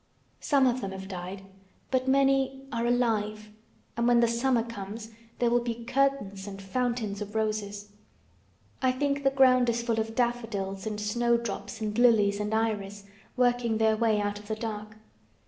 Some of them have died but many—are alive and when the summer comes there will be curtains and fountains of roses. I think the ground is full of daffodils and snowdrops and lilies and iris working their way out of the dark.